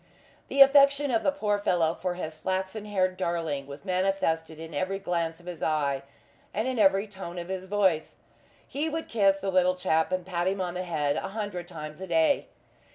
The affection of the poor fellow for his flaxen haired darling was manifested in every glance of his eye, and in every tone of his voice. He would kiss the little chap and pat him on the head a hundred times a day.